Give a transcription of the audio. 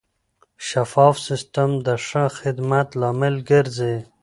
شفاف سیستم د ښه خدمت لامل ګرځي.